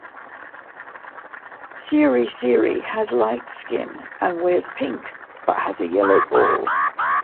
CereCere has light skin and wears pink, but has a yellow ball.